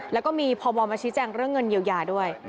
แล้วก็มีพมมาชี้แจงเรื่องเงินเยียวยาด้วย